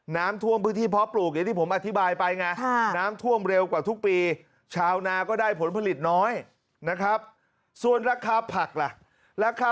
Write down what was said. น้ำท่วมพื้นที่เพาะปลูกอย่างที่ผมอธิบายไปไงน้ำท่วมเร็วกว่าทุกปีชาวนาก็ได้ผลผลิตน้อยนะครับส่วนราคาผักล่ะราคา